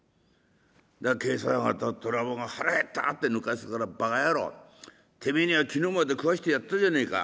今朝方虎坊が『腹減った』って抜かすから『バカ野郎手前には昨日まで食わせてやったじゃねえか。